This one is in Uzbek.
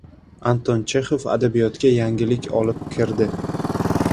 Anton Chexov adabiyotga yangilik olib kirdi.